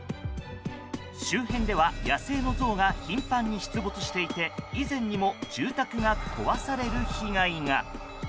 周辺では野生のゾウが頻繁に出没していて以前にも住宅が壊される被害が。